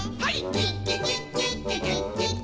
「キッキキッキッキキッキッキ」